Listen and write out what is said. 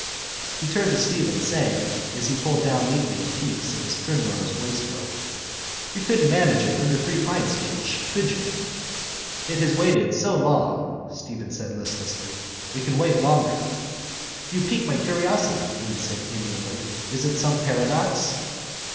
He turned to Stephen, saying, as he pulled down neatly the peaks of his primrose waistcoat: —You couldn't manage it under three pints, Kinch, could you? —It has waited so long, Stephen said listlessly, it can wait longer. —You pique my curiosity, Haines said amiably. Is it some paradox?